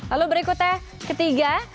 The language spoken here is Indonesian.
lalu berikutnya ketiga